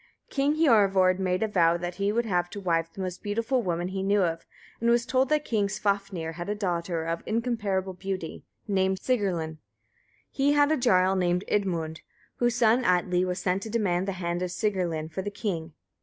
King Hiorvard made a vow that he would have to wife the most beautiful woman he knew of, and was told that King Svafnir had a daughter of incomparable beauty, named Sigrlinn. He had a jarl named Idmund, whose son Atli was sent to demand the hand of Sigrlinn for the king.